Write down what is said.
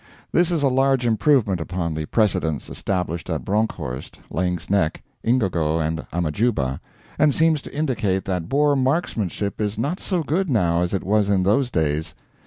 ] This is a large improvement upon the precedents established at Bronkhorst, Laing's Nek, Ingogo, and Amajuba, and seems to indicate that Boer marksmanship is not so good now as it was in those days.